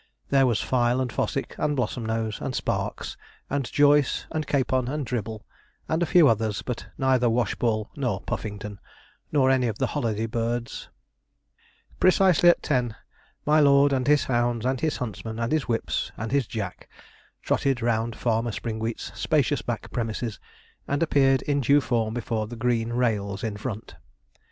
There was Fyle, and Fossick, and Blossomnose, and Sparks, and Joyce, and Capon, and Dribble, and a few others, but neither Washball nor Puffington, nor any of the holiday birds. [Illustration: HIS LORDSHIP HAS IT ALL TO HIMSELF] Precisely at ten, my lord, and his hounds, and his huntsman, and his whips, and his Jack, trotted round Farmer Springwheat's spacious back premises, and appeared in due form before the green rails in front.